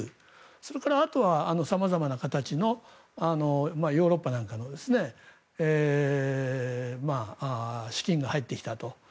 それからあとは様々な形のヨーロッパなんかの資金が入ってきたと。